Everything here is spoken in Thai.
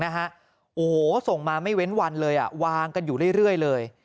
โอ้โหส่งมาไม่เว้นวันเลยวางกันอยู่เรื่อยเลย